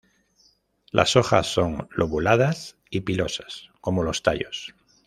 Las hojas son lobuladas y pilosas como los tallos.